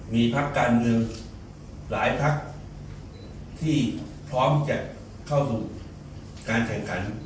มีพักการเมืองหลายพักที่พร้อมจะเข้าสู่การแข่งขัน